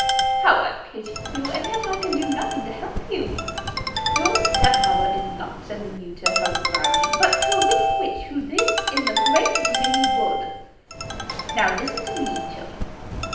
How I pity you; and yet I can do nothing to help you! Your step mother is not sending you to her granny, but to a wicked witch who lives in that great gloomy wood. Now listen to me, children.